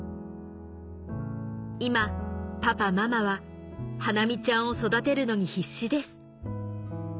「今パパママは華実ちゃんを育てるのに必死です。